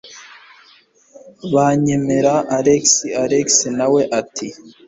banyemera alex alex nawe ati